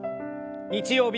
日曜日